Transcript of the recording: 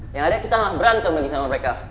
yang ada kita nggak berantem lagi sama mereka